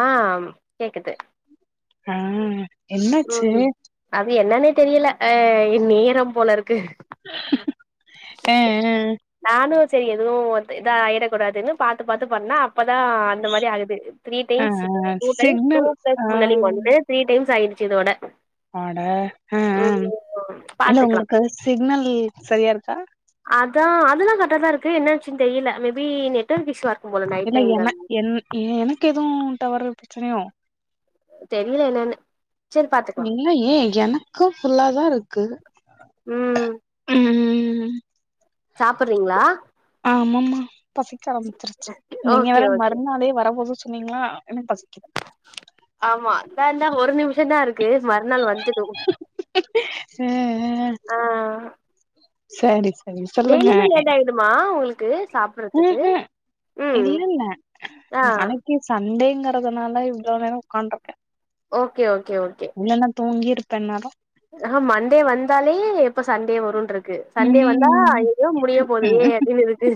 ஆ கேக்குது ம் ம் அது என்னன்னே தெரியல அ நேரம் போலருக்கு ஆ நானு செரி எதுவு வந்து இதா ஆயிடக் கூடாதுன்னு பாத்து பாத்து பண்ணா அப்பதா அந்த மாரி ஆகுது த்ரீ ஆ டைம்ஸ் ஆ two times two signal plus ஆ முன்னாடி ஒன்னு த்ரீ டைம்ஸ் ஆயிடுச்சு இதோட அட ஆ ஆ ம் இல்ல பாத்துக்கலா உங்களுக்கது சிக்னல் சரியா இருக்கா அதா அதுல்லா கரட்டா தா இருக்கு என்னாச்சுன் தெரியல மேபி நெட்டொர்க் இஷுவா இருக்கும் போல நைட இல்ல என டைம்ன்றத் என் எனக்கு எதுவு டவரு ப்ரெச்சனையோ தெரியல என்னனு இல்ல ஏ எனக்கு ஃபுல்லாதாருக்கு ம் சாப்பிற்றீங்ளா ஆ ஆமாமா பசிக்க ஆரம்பிச்சிருச்சு நீங்க ஓகே வேற ஓகே மறுநாளே வரபோது சொன்னீங்ளா எனக் பசிக்கித் ஆமா அதா இந்தா ஒரு நிமிஷந்தா இருக்கு மறுநாள் வந்துதுவு அ அ ஆ சரி சரி சொல்லுங்க ன்மா உங்களுக்கு சாப்பற்றதுக்கு ம்ஹூம் இல்ல ம் இல்ல அ நாளைக்கு சண்டேங்கறதுனால இவ்ளோ நேரோ உக்காண்ட்ருக்கே ஓகே ஓகே இல்லன்னா தூங்கிருப்பே இந்நேரோ ஆ மண்டே வந்தாலே இப்ப சண்டே வருன்ட்ருக்கு சண்டே வந்தா ம் ஐய்யய்யோ முடிய போதே அப்டின் இருக்கு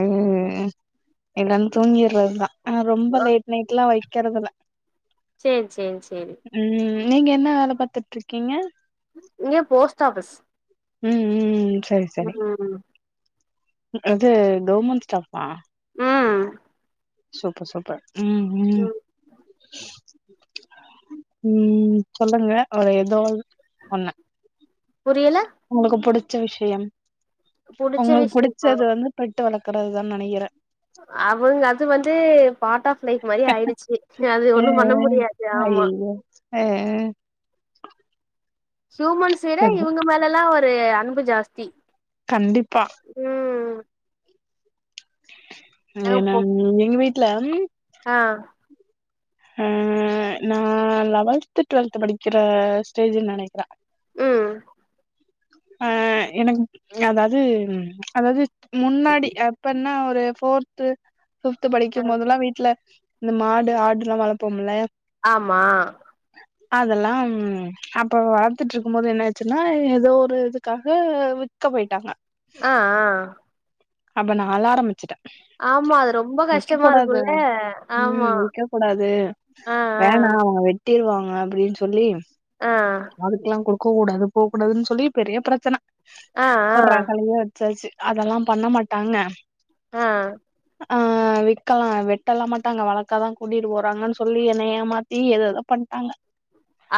ம் இல்லனு தூங்கிரத் தா ஆ ரொம்ப லேட் நைட்ல்லா வைக்கறதுல செரி செரி சேரி ம் நீங்க என்ன வேல பாத்தட்ருக்கீங்க இங்க போஸ்ட் ஆபிஸ் ம் ம் சரி சரி அது கவுர்மெண்ட் ஸ்டாப்பா ம் சூப்பர் சூப்பர் ம் ம் ம் சொல்லுங்க ஒரு எதாவ்து ஒன்னு புரியல உங்களுக்கு புடிச்ச விஷயம் புடிச்ச உங்களு விஷயமா புடிச்சது வந்து பெட்டு வளக்கறதுதா நெனைக்கிறே அவுங்க அது வந்து பார்ட் ஆஃப் லைஃப் மாரி ஆயிடுச்சு அ அது ஒண்ணும் பண்ண முடியாது ஆமா அ ஹியூமன்ஸ் வேற சரி இவுங்க மேலெல்லா ஒரு அன்பு ஜாஸ்தி கண்டிப்பா ம் நாங்க ஏனா போ எங்க வீட்ல ஆ அ நா லெவத்து ட்வெல்த்து படிக்கிற ஸ்டேஜி நெனைக்கிறே ம் ஆ எனக் அதாவது அதாவது முன்னாடி எப்பனா ஒரு போர் து ஃபிஃப்த்து ஆ படிக்கும்போதெல்லா வீட்டுல இந்த மாடு ஆடு எல்லா வளப்போம்ல ஆமா அதெல்லா அப்ப வளத்துட்டு இருக்கு போது என்ன ஆச்சுன்னா எதோ ஒரு இதுக்காக விக்க போயிட்டாங்க ஆ ஆ அப்ப நா அழ ஆரம்பிச்சுட்டே ஆமா. அது ரொம்ப விக்க கஷ்டமா கூடாது இருக்கும்ல. ஆமா. ம் விக்க கூடாது ஆ, வேணா அவங்க வெட்டிருவாங்க அப்டின்னு சொல்லி ஆ அதுக்கெல்லா கொடுக்க கூடாது போ கூடாதுன்னு சொல்லி பெரிய பிரச்சன ஆ, ஆ, ஒரு ரகளையே சாச்சு அதெல்லா பண்ண மாட்டாங்க ஆ ஆ விக்கலா வெட்டல மாட்டாங்க வளக்க தா கூட்டிட்டு போறாங்கன்னு சொல்லி என்ன ஏமாத்தி ஏதேதோ பண்ட்டாங்க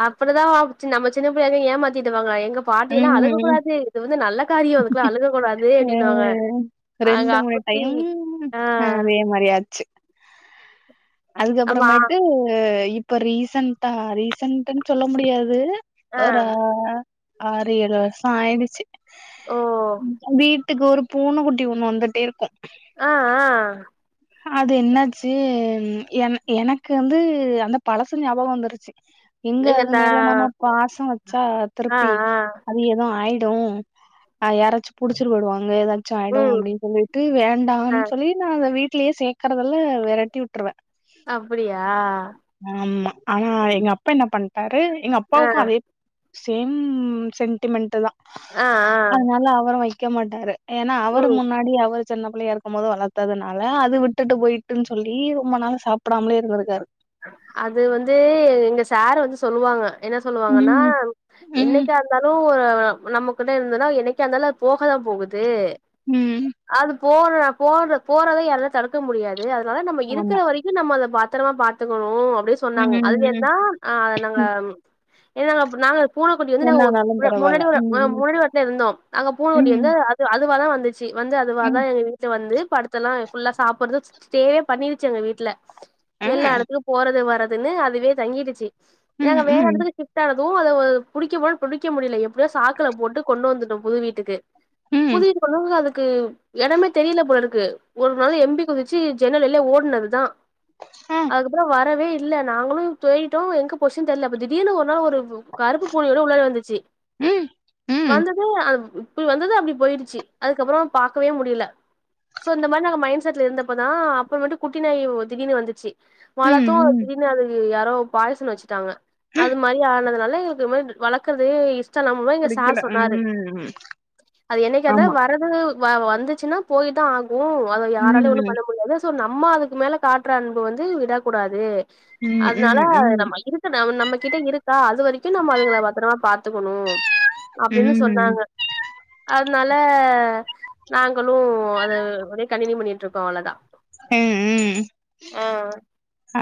அப்புடிதா வ நம்ம சின்ன பிள்ளைங்க ஏமாத்திடுவாங்க எங்கப் பாட்டியெல்லா ம் அழுகக்கூடாது இது வந்து நல்ல காரியோ அதுக்கெல்லா அழுகக்கூடாது அப்டின்னு ம் வாங்க ரெண்டு மூணு டைம் ஆ அதே மாரியாச்சு ஆமா. அதுக்கப்புறமேட்டு இப்ப ரீசன்டா ரீசன்ட்டுன்னு சொல்ல முடியாது ஒரு ஆ ஆறு ஏழு வருஷோ ஆயிடுச்சு ஓ! வீட் டுக்கு ஒரு பூனக் குட்டி ஒண்ணு வந்துட்டே இருக்கு ஆ ஆ அது என்னாச்சு என எனக்கு வந்து அந்த பழசு ஞாபகோ வந்துரு ச்சு எங்க நீங்க அது இந்த மேல நம்ம பாச வெச்சா ஆ, திருப்பி ஆ. அதுக் கு எதோ ஆயிடு அ யாராச்சு புடிச்சட்டு போயிடுவாங்க ஏதா ச்சாயிடும் ம். அபடின்னு சொல்லிட்டு அ. வேண்டானு சொல்லி நா அந்த வீட்லேயே சேக்கறதல்ல வெரட்டி விட்டுருவே அப்டியா ஆமா ஆனா எங்க அப்பா என்ன பண்ட்டாரு எங்க ஆ, அப்பாவுக்கு அதே சேம் சென்டிமெண்டட் தா ஆ, ஆ. அதனால அவரு வெக்க மாட்டாரு ஏன்னா அவரு ம். முன்னாடி அவரு சின்ன பிள்ளையா இருக்கு போது வளத்தது நா ல அது விட்டுட்டு போயிட்டுனு சொல்லி ரொம்ப நாள சாப்பிடாமலே இருந்திருக்காரு அது வந்து எங்க சாரு வந்து சொல்லுவாங்க என்ன சொல்லுவாங்கன்னா ம் ம் என்னைக்கா இருந்தாலு ஒரு நமக் குட இருந்தனா என்னைக்கா இருந்தாலு அது போகதா போகுது ம் அது போற போடு போறதை யாராலு தடுக்க முடியாது அதனால நம்ம ஆமா இருக்கிற வரைக்கு நம்ம அதை பாத்திரமா ப த்துக்கணு அப்டின்னு சொன்னாங்க ம் அதுலருந்துதா ஆ நாங்க என்னான இப் நாங்க பூனக்குட்டி வந்து என்ன நாங்க ஒ ஆனாலு முன்னா பரவால்ல முன்னாடி வர ம் ஆ முனாடி வீட்ல இருந்தோ அங்க ம் பூனக்குட்டி ம் வந்து அது அதுவா தா வந்து ச்சி வந்து ம் அதுவதா எங்க வீட்டுல வந்து படுத்த எல்லா ஃபுல்லா சாப்படுறது ஸ்டேவே பண்ணிடுச்சு எங்க வீட்ல ஆ எல்லா எடத்துக்கு போறது வர்றதுன்னு அதுவே தங்கிடுச்சு ம் நாங்க வேற ம் எடத்துக்கு ஸ்ப்ட் ஆனது அத ஒ புடிக்க ம புடிக க்க முடியல எப்டியோ சாக்குல போட்டு கொண்டு வந்துட்டோ புது வீட்டுக்கு ம் புது வீட்டுக் கொண்டு வந்து அதுக்கு எடமே தெரியல போல இருக்கு ஒரு நாள் எம்பி குதிச்சு ஜன்னல் வெளிய ஓடுனதுதா ஆ அதுக்கப்புற வரவே இல்ல நாங்களு தேடிட்டோ எங்க பொசுனு தெர்ல அப்ப திடீனு ஒரு நாள் ஒரு கருப்பு பூனையோட உள்ளார வந்துச்சு ம் ம் வந்தது அ இப்டி வந்தது அப்டி போயிருச்சு அதுக்கப்புறோ பாக்கவே முடில சோ இந்த மாதிரி நாங்க மைண்ட் செட் இருந்தப்பதா அப்பறமேட்டு குட்டி நாய் திடீனு வந்திச்சு வளத்தோ ம், திடீனு அது யாரோ பாய்சன் வெச்சுட்டாங்க ம். அது மாரி ஆனதுனால இது மாரி வளக்கறதே இஷ் டமில்லாமே எங்க பிடிக்கல. சார் சொன்னாரு ம். அது என்னைக்கருந்தா ஆமா. வரது வ வந்துச்சுன்னா போயி தா ஆகு அத யாராலயு ஒன்னு ம். பண்ண முடியாது சோ நம்ம அதுக்கு மேல காட்ற அ ன்பு வந்து விடாக்க கூடாது ம், அதனால ம், ம். நம்ம இரு க்கு நம்ம கிட்ட இருக்கா அது வரிக்கு நம்ம அதுகள பத்திரமா பாத்துக்கணு அப்டின்னு ம். சொன்னாங்க அதனால நாங்களு அது அப்டியே கண்டினியூ பண்ணிட்ருக்கோ அவ்ளோதா ம் ம்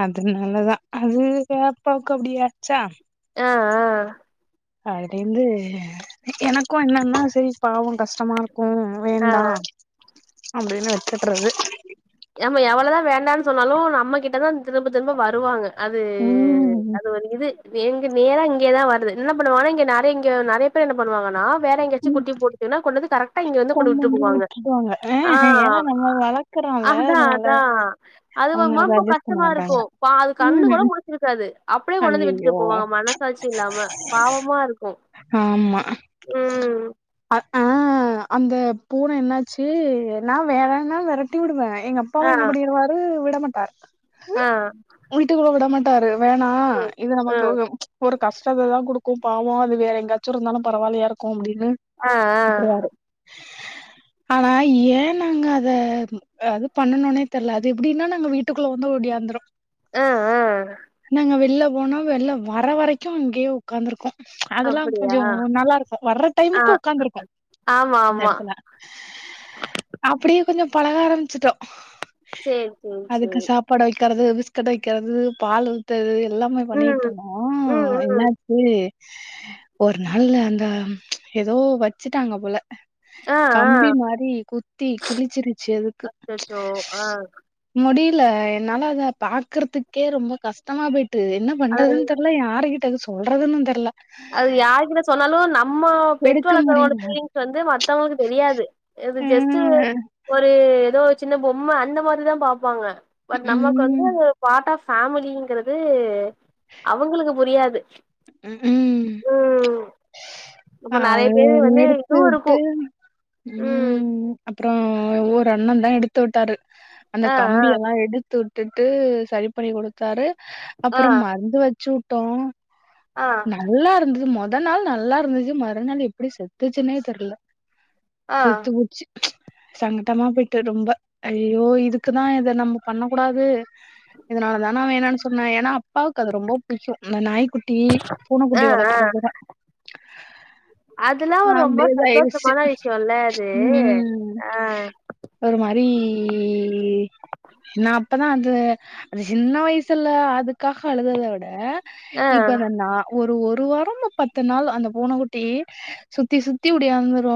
அதுனாலதா அது தாப்பாக்கு அப்டி ஆச்சா ஆ ஆ அதிலிர்ந்து எனக்கு என்னன்னா செரி பாவோ கஷ்டமாருக்கு வேண்டா அப்டின்னு வெச்சட்றது நம்ம எவ்ளதா வேண்டான் சொன்னாலு நம்ம கிட்டதா திரும்ப திரும்ப வருவாங்க அது ம். அது ஒரு இது எங்க நேரா இங்கியே தா வருது இன்னா பண்ணுவானா இங்க நெறை இங்க நெறைய பேர் என்ன பண்ணுவாங்கன்னா வேற எங்கயாச்சு குட்டி போட்டுச்சின்ன கொண்டு வந்து கரெட் டா இங்க வந்து கொண்டு விட்டு போவாங்க ஆ ஏன்னா நம்ம வளர்க்குறோம்ல, அதா அதனால அதா அது அவங்க அத [unintelligible] அட்ஜஸ்ட் பண்ண கஷ்டமாருக்கு மாட்டாங்க. பாவ அது கண்ணு கூட ம். மு ழிச்சிருக்காது அப்டியே கொண்டுந்து விட்டுட்டு ஐயய்யோ! போவாங்க மனசாட்சி இல்லாம பாவமாருக்கு ஆமா அதா அந்த பூன என்னாச்சு நா வேறன்னா வெரட்டி விடுவே எங்க ஆ அப்பாவு என்ன பண்ணிருவாரு விடமாட்டார் ஆ வீட்டுக்குள்ள விட மாட்டாரு வேணா ம் இது நமக்கு ம் ஒரு கஷ்டத்த தா குடுக்கு பாவோ அது வேற எங்காச்சு இருந்தாலு பரவால்லையா இருக்கு அப்டின்னு ஆ ஆ விட்டுருவாரு [inaudible] ஆனா ஏ நாங்க அத அது பண்ணனுனே தெர்ல அது எப்டின்னா நாங்க வீட் டுக்குள்ள வந்து ஓடியாந்துரு ஆ ஆ நாங்க வெள்ல போனா வெள்ல வர வரைக்கு இங்கயே உக்காந்துருக்கு அதெல்லா அப்டியா கொஞ்சோ நல்லாருக்கு வர ஆ டைமுக்கு உக்காந்துருக்கு ஆமா ஆமா அந்தெடத்துல அப்டியே கொஞ்சோ பழக ஆரம்பிச்சிட்டோ சேரி சேரி அதுக்கு சேரி சாப்பாடு வெக்கிறது பிஸ்கட்ட வெக்கிறது பால் ஊத்தறது எல்லாமே ம், பண்ணிட்ருந்தோ ம், ம். என்னாச்சு ஒரு நாள்ல அந்த எதோ வெச்சிட்டாங்க போல ஆ, கம்பி ஆ. மாரி குத்தி கிழிச்சிருச்சு அதுக்கு அச்சச்சோ ஆ முடில என்னால அத பாக்கறதுக்கே ரொம்ப கஷ்டமா போய்ட்டு என்ன அது பண்றதுன் தெர்ல யாருகிட்ட அத சொல்றதுன்னு தெர்ல அது யாருகிட்ட சொன்னாலு நம் ம எடுக்க பெட்ரோளகான முடியல பீலிங்ஸ் வந்து மத்தவங்களுக்கு தெரியாது இது ஜஸ்ட்டு ம் ஒரு எதோ சின்ன பொம்ம அந்த மாரிதா பாப்பாங்க பட் நமக்கு வந்து ம் பார்ட் ஆப் ஃபேமிலிங்கிறது அவுங்களுக்கு புரியாது ம் ம் ம் அப்ப நெறைய அது பேரு வந்து எடுத்து இதுவும் உட்டு இருக்கும். ம் அப்றோ ஒர் அண்ணந்தா எடுத்துட்டாரு அந்த ஆ, ஆ, கம்பிய எல்லா எடுத் துட்டுட்டு சரி பண்ணி குடுத்தாரு ஆ, அப்றோ மருந்து வெச்சுட்டோ ஆ, நல்லாருந்தது மொ த நாள் நல்லாருந்துச்சு மறுநாள் எப்டி செத்துச்சுன்னே தெர்ல ஆ, செத்து போச்சு சங்கட்டமா போயிட்டு ரொம்ப அய்யய்யோ இதுக்குதா இத நம்ம பண்ண கூடாது இதனாலதா நா வோணான் சொன்னே ஏனா அப்பாக்கு அது ரொம்ப புய்க்கு இந்த நாய்க்குட்டி ஆ, பூனக்குட்டி ஆ. வளக்றதுதா அதெல்லாம் ஒரு ரொம்ப அப்டியே இதாயிருச்சு சந்தோஷமான விஷயம்ல அது. ம் ஒரு மாரி நா அப்பதா அந்த அது சின்ன வயசுல்ல அதுக்காக அழுதுத விட ஆ, இப்பதா நா ஒரு ஒரு வாரம் பத்து பத்து நாள் அந்த பூன குட்டி சுத்தி சுத்தி உடியாந்துரு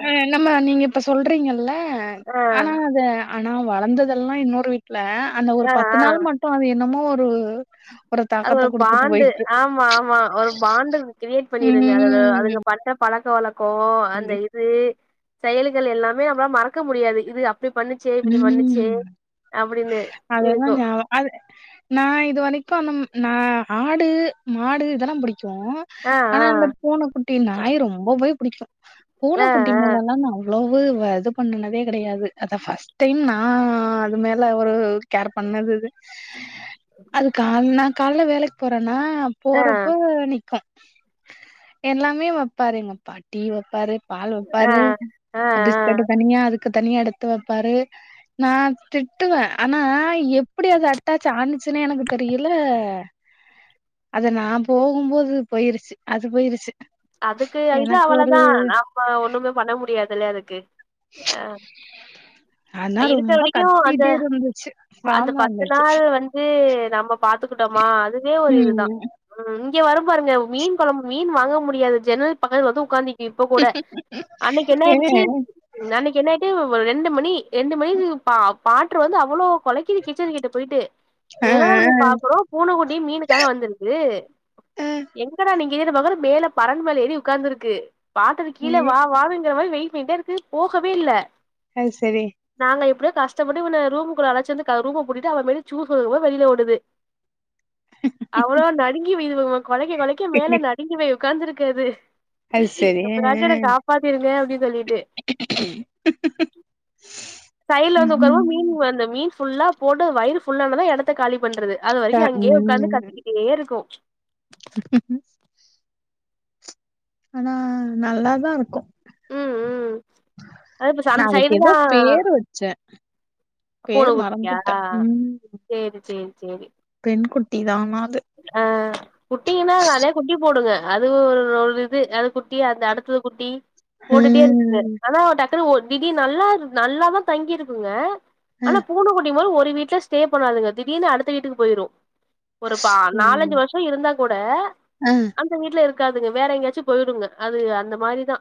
ஆ நம்ம நீங்க இப்ப சொல்றீங்கல்ல ஆ, ஆனா அத ஆனா வளந்ததெல்லா இன்னொரு வீட்ல அந்த ஒரு ஆ, பத்து ஆ. நாள் மட்டு அது என்னமோ ஒரு அது தாக்கத்த ஒரு குடுத்துட்டு பாண்டு போயிட்டு. ஆமா ஆமா ஒரு பாண்டுங்க கிரியேட் பண்ணிருங்க அது ம். அதுங்க பண்ற பழக்க வழக்கோ அந்த இது செயல்கள் எல்லாமே நம்மளா மறக்க முடியாது இது இப்டி பண்ணுச்சே இப்டி பண்ணுச்சே ம். அப்டின்னு இருக்கு அதெல்லாம் ஞாபகம் அது நா இது வரைக்கு அந்த ம் நா ஆடு மாடு இதெல்லா புடிக்கு ஆ ஆனா ஆ அந்த பூனக்குட்டி நாய் ரொம்பவே புடிக்கு ஆ பூனக்குட்டி மேலெல்லா நா லவ்வு வ இது பண்ணனதே கெடையாது அதா ஃபஸ்ட் டைம் நா அது மேல ஒரு கேர் பண்ணதது அது கார்னா கால்ல வேலைக்கு போறேன்னா ஆ போறப்போ நிக்கு எல்லாமே வப்பாரு எங்க அப்பா டீ வப்பாரு பால் ஆ வப்பாரு ஆ ஆ பிஸ்கட்டு தனியா அதுக்கு தனியா எடுத்து வப்பாரு நா திட்டுவே ஆனா எப்டி அது அட்டாச் ஆனுச்சுன்னே எனக்கு தெரியில அது நா போகும்போது போயிருச்சி அது போயிருச்சி அதுக்கு இது அவ்ளதா நாம்ப ஒண்ணுமே பண்ண முடியாதில்ல அதுக்கு அ ஆனா இருக்க ரொம்ப வரைக்கு அந்த கத்திட்டே இருந்துச்சு. அந்த பாவமா பத்து இருந்துச்சு. நாள் வந் து நம்ம பாத்துக்கிட்டோமா அதுவே ஒரு இதுதா ம். ம் இங்க வரு பாருங்க மீன் கொழம்பு மீன் வாங்க முடியாது ஜன்னல் பக்கத்துலா வந்து உக்காந்தி இப்ப கூட அன்னைக்கு என்ன ஓகே. ஆயிடுச்சி நா அன்னைக்கு என்னாய்ட்டு ரெண்டு மணி ரெண்டு மணி பா பாட்டுரு வந்து அவ்ளோ கொலைக்கிது கிச்சன் கிட்ட போய்ட்டு ஆ என்னடா நம்ப பாக்குறோ பூனக்குட்டி மீனுக்காக வந்திருக்கு ஆ ஆ, எங்கடா நீ கீழ பாக்குற மேல பரன்மேல ஏறி உக்காந்துருக்கு பாத்துட்டு கீழ வா வானுங்கிற மாரி வெயிட் பண்ணிட்டே இருக்கு போகவே இல்ல ஆ செரி நாங்க எப்டியோ கஷ்டப்பட்டு இவன ரூமுக்குள்ள அழச்சி வந்து க ரூம்மூ பூட்டிட்டு அவ மேரி சூஸ்ங்கு போது வெளியில ஓடுது அவ்ளோ நடுங்கி வ இது கொலைக்க கொலைக்க மேல நடுங்கி போய் உக்காந்துருக்கு அது அது சரி ஆ ஆ எப்புராச்சி என காப்பாத்திருங்க அப்டி சொல்லிட்டு சைட்ல வந்து உக்காரவு மீன் ம் வந்த மீன் ஃபுல்லா போட்டு வயிர் ஃபுல்லானதா எடத்த காலி பண்றது அது அ வரைக்கு அங்கயே உக்காந்து ம் கத்திக்கிட்டே இருக்கு ஆனா நல்லாதா இருக்கு ம் ம் அது இப்ப நா அந்த அதுக்கு சைடு ஏதோ தா பேரு வச்சே பூன பேரு குட்டியா மறந்துட்ட ம் சேரி சேரி சேரி பெண் குட்டி தானா அது ஆ குட்டிங்கன்னா அது அதே குட்டி போடுங்க அது ஒரு இது அது குட்டி அந்த அடுத்தது குட்டி ஆ போட்டுட்டே இருக்கு ஆனா டக்குனு ஒரு தீடி நல்லா இரு நல்லாதா தங்கிருக்குங்க ஆ ஆனா பூன குட்டி போது ஒரு வீட்ல ஸ்டே பண்ணாதுங்க திடீர்னு அடுத்த வீட்டுக்கு போயிரு ஒரு பா ஓ, நாலஞ்சி வருஷோ இருந்தா கூட ஆ அந் த வீட்ல இருக்காதுங்க வேற எங்கயாச்சு போயிருங்க அது அந்த மாரி தா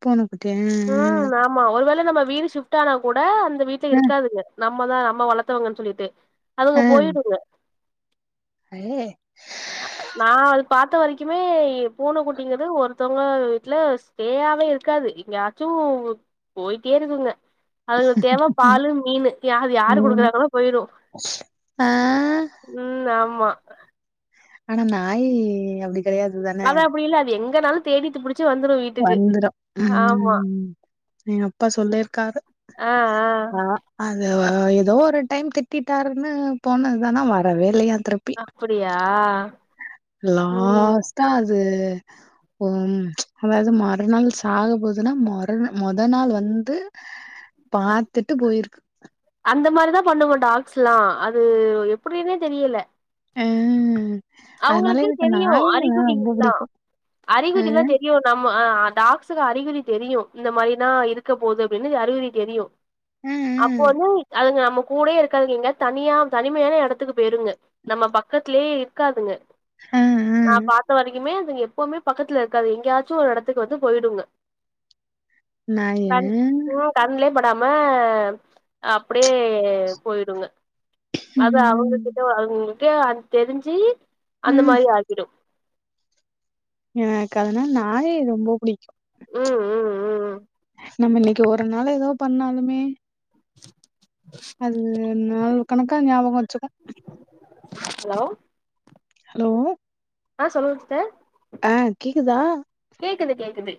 பூன குட்டியா அ அ ஆமா ஒரு வேள நம்ம வீடு ஃஷிப்ட் ஆனா கூட அந்த வீட்ல ஆ இருக்காதுங்க நம்ம தா நம்ம வளத்தவங்கன் சொல்லிட்டு அதுங்க போயிருங்க ஐயய நா அது பாத்த வரைக்குமே பூன குட்டிங்கது ஒருத்தவங்க வீட்ல சேயாவே இருக்காது எங்கயாச்சு போய்ட்டே இருகுங்க அதுகளுக் தேவ ம் பாலு மீனு அது யாரு ம். குடுக்குறாங்கலோ போயிரு ஆ ம் ஆமா ஆனா நாயி அப்டி கெடையாது தானே அது அப்படி இல்ல அது எங்கனாலு தேடிட்டு புடிச்சு வந்துரு வீ வந்துரு ம் எங்கப்பா சொல்லிர்க்காரு ஆ ஆனா அது ஒ எதோ ஒரு டைம் திட்டிட்டாருன்னு போனத்தானா வரவே இல்லையா திருப் பி ஆ அப்டியா ம் லாஸ் ட்டா அது ம் அதாவ்து மறுநள் சாகபோதுன்னா மறு மொத நாள் வந்து பாத்துட்டு போயிருக்கு அந்த மாரிதா பண்ணுங்க டாக்ஸ் ல்லா அது எப்படினே தெரியல அ அதனால அவுங்களுக்குன் எனக்கு தெரியு நாய்ங்கனா அறிகுறி ரொம்ப எல்லா பிடிக்கும். அ அறிகுறி ல்லா தெரியு நம்ம அ டாக்ஸ் க்கு அறிகுறி தெரியு இந்த மாரில்லா இருக்க போகுது அப்டினு அறிகுறி தெரியு அ அப்போ வந்து அதுங்க நம்ம கூடேய இருக்காதுங்க எங்கயாத் தனியா தனிமையான எடத்துக்கு போய்ருங்க நம்ம பக்கத்துல்யே இருக்காதுங்க அ அ நா அ. பாத்த வரிக்குமே அதுங்க எப்பவுமே பக்கத்துல இருக்காது எங்கேயாச்சு ஒரு எடத்துக்கு வந்து போயிடுங்க நாய கண் உ கண்லே படாம அப்டியே போய்டுங்க அது ம் அவுங்ககிட்ட ஒ [unintelligible] அ தெரிஞ்சு அந்த ம் மாரி ஆகிடு எனக்கதுனா நாயி ரொம்ப புடிக்கு ம் ம் ம் நம்ம இன்னைக்கு ஒரு நாளு எதோ பண்ணாலுமே அதுங்க நாளூ கணக்கா ஞாபக வச்சுக்கோ ஹலோ ஹலோ ஆ சொல்லுங் சிஸ்டர் ஆ கேக்குதா கேக்குது கேக்குது